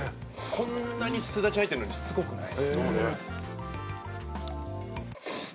こんなにスダチ入ってるのにしつこくない。